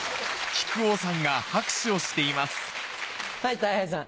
はいたい平さん。